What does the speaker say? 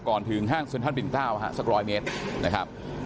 ก่อนถึงห้างสุนทันปิ่นเต้าฮะสักร้อยเมตรนะครับ